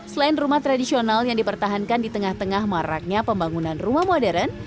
selain rumah tradisional yang dipertahankan di tengah tengah maraknya pembangunan rumah modern